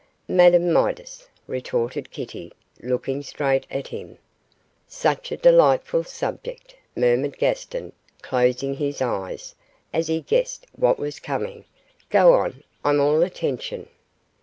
'Madame Midas,' retorted Kitty, looking straight at him. 'Such a delightful subject,' murmured Gaston, closing his eyes, as he guessed what was coming; 'go on, I'm all attention.